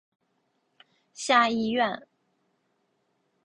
下议院。